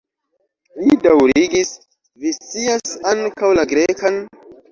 Li daŭrigis: "Vi scias ankaŭ la Grekan?"